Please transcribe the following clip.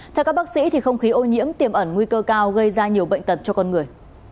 theo các bác sĩ không khí ô nhiễm tiềm ẩn nguy cơ cao gây ra nhiều bệnh tật cho con người